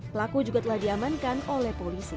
pelaku juga telah diamankan oleh polisi